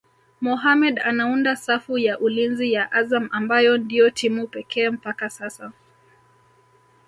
Mohammed anaunda safu ya ulinzi ya Azam ambayo ndio timu pekee mpaka sasa